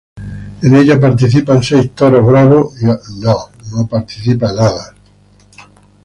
En ella participan seis toros bravos y aproximadamente el doble de caballos.